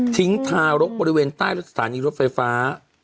ทารกบริเวณใต้สถานีรถไฟฟ้า